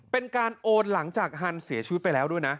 เป็นการโอนหลังจากฮันเสียชีวิตไปแล้วด้วยนะ